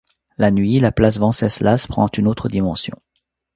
La nuit, la place Venceslas prend une autre dimension.